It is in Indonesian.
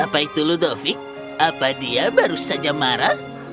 apa itu ludovic apa dia baru saja marah